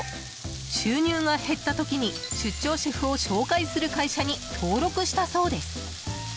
収入が減った時に出張シェフを紹介する会社に登録したそうです。